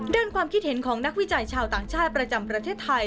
ความคิดเห็นของนักวิจัยชาวต่างชาติประจำประเทศไทย